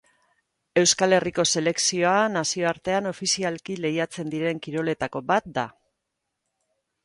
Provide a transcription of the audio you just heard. Euskal Herriko selekzioa nazioartean ofizialki lehiatzen diren kiroletako bat da.